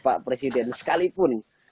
pak presiden sekalipun